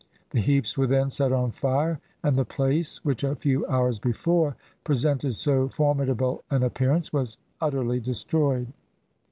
The heaps were then set on fire, and the place which a few hours before presented so formidable an appearance, was utterly destroyed.